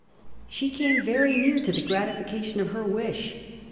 She came very near to the gratification of her wish.